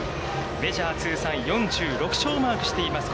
メジャー通算４６勝をマークしています。